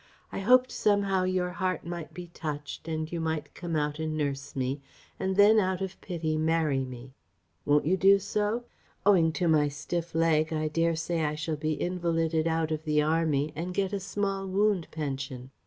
I hoped somehow your heart might be touched and you might come out and nurse me, and then out of pity marry me. Won't you do so? Owing to my stiff leg I dare say I shall be invalided out of the Army and get a small wound pension.